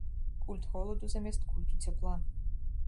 Культ холаду замест культу цяпла.